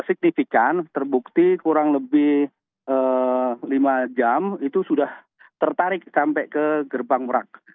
signifikan terbukti kurang lebih lima jam itu sudah tertarik sampai ke gerbang merak